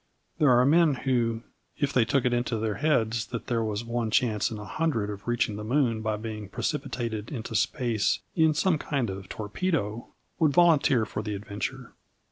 There are men who, if they took it into their heads that there was one chance in a hundred of reaching the moon by being precipitated into space in some kind of torpedo, would volunteer for the adventure.